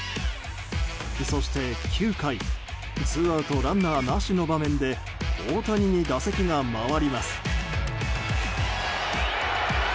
そして９回ツーアウトランナーなしの場面で大谷に打席が回ります。